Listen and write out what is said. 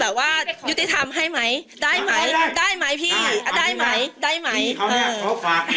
แบบว่ายุติธรรมให้ไหมได้ไหมได้ไหมพี่ได้ไหมได้ไหมพี่เขาเนี้ย